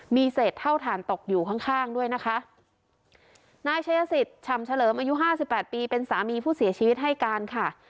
มีเศษเท่าฐานตกอยู่ข้างข้างด้วยนะคะนายชัยสิทธิ์ฉ่ำเฉลิมอายุห้าสิบแปดปีเป็นสามีผู้เสียชีวิตให้การค่ะ